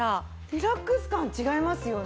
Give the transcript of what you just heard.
リラックス感違いますよね？